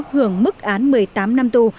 hưởng mức án một mươi tám năm tù